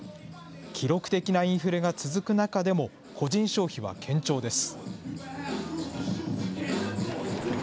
記録的なインフレが続く中でも、個人消費は堅調です。